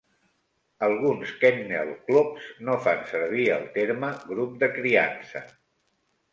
Alguns kennel clubs no fan servir el terme "grup de criança".